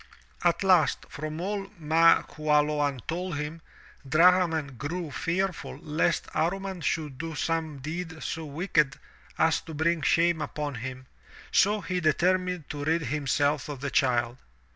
At last, from all Ma Qualoan told him, Drahman grew fear ful lest Amman should do some deed so wicked as to bring shame upon him, so he determined to rid himself of the child.